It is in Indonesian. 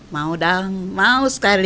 mau dong mau sekali